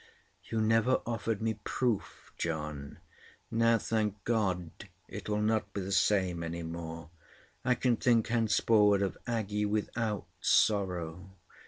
"You never offered me proof, John. Now, thank God, it will not be the same any more. I can think henceforward of Aggie without sorrow."